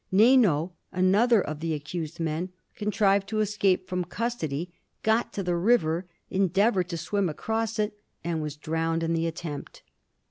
Neynoe, another of the accused men, con trived to escape from custody, got to the river, en deavoured to swim across it, and was drowned in the attempt.